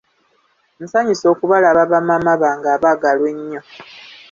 Nsanyuse okubalaba ba Maama bange abaagalwa ennyo.